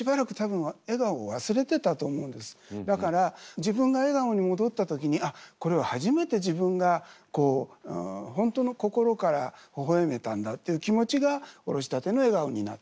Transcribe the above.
今までだから自分が笑顔にもどった時にあっこれは初めて自分が本当のっていう気持ちが「おろしたての笑顔」になった。